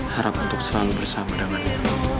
harap untuk selalu bersama dengannya